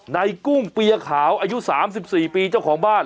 กุ้งเปียขาวอายุ๓๔ปีเจ้าของบ้าน